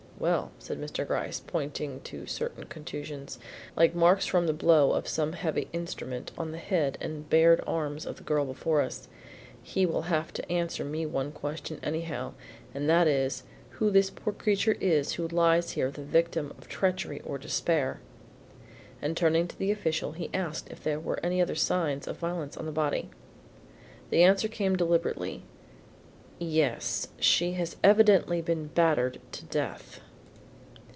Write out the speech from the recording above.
"Well," said Mr. Gryce, pointing to certain contusions, like marks from the blow of some heavy instrument on the head and bared arms of the girl before us; "he will have to answer me one question anyhow, and that is, who this poor creature is who lies here the victim of treachery or despair." And turning to the official he asked if there were any other signs of violence on the body. The answer came deliberately, "Yes, she has evidently been battered to death."